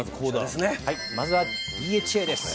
まずはＤＨＡです。